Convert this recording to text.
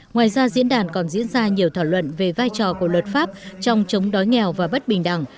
ngoài ra diễn đàn còn diễn ra nhiều thảo luận về vai trò của luật pháp trong chống đói nghèo và bất bình đẳng